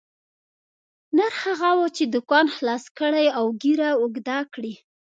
نر هغه وو چې دوکان خلاص کړي او ږیره اوږده کړي.